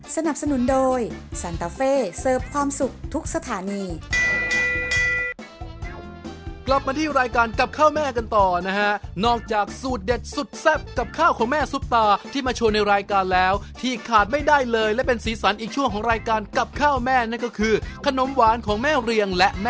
สนับสนุนโดยสันตาเฟ่เสิร์ฟความสุขทุกสถานี